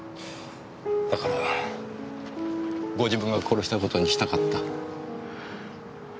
だからご自分が殺した事にしたかった。